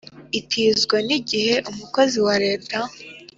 Itizwa ni igihe umukozi wa leta